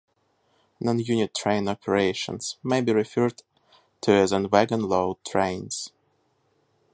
Non-unit train operations may be referred to as wagonload trains.